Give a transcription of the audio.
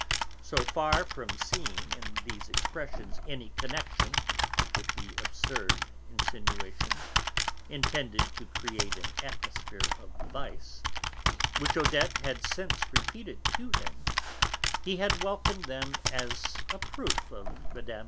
So far from seeing in these expressions any connection with the absurd insinuations, intended to create an atmosphere of vice, which Odette had since repeated to him, he had welcomed them as a proof of Mme.